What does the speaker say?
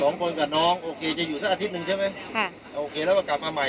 สองคนกับน้องโอเคจะอยู่สักอาทิตย์หนึ่งใช่ไหมค่ะโอเคแล้วก็กลับมาใหม่